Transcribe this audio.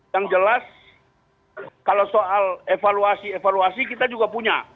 yang jelas kalau soal evaluasi evaluasi kita juga punya